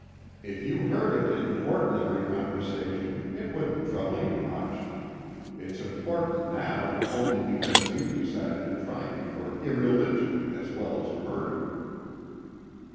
If you heard it in ordinary conversation it wouldn't trouble you much. It's important now only because you've decided to try me for irreligion as well as murder."